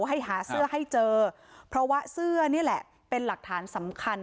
ให้หาเสื้อให้เจอเพราะว่าเสื้อนี่แหละเป็นหลักฐานสำคัญ